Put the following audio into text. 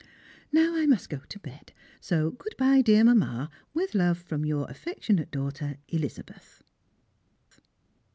Now I must go to bed, so good bye, dear Mamma, with love from your affectionate daughter, Elizabeth.